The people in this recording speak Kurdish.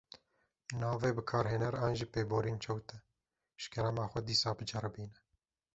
Navê bikarhêner an jî pêborîn çewt e, ji kerema xwe dîsa biceribîne.